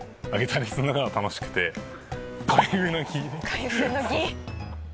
「“開封の儀”」